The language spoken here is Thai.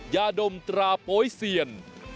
ยาดมตราโป๊ยเซียน